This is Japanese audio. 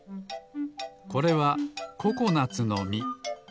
これはココナツのみ。